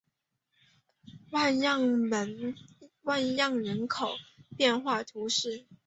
万让人口变化图示